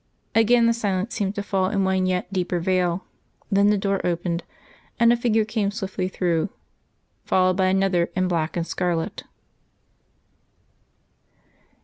Again the silence seemed to fall in one yet deeper veil. Then the door opened, and a figure came swiftly through, followed by Another in black and scarlet.